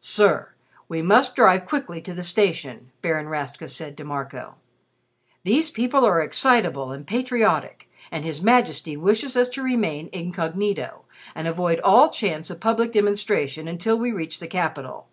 "Sir, we must drive quickly to the station," Baron Rastka said to Marco. "These people are excitable and patriotic, and His Majesty wishes us to remain incognito, and avoid all chance of public demonstration until we reach the capital."